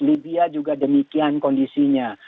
libya juga demikian kondisinya